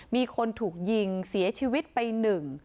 มีคนถูกยิงเสียชีวิตไปหนึ่ง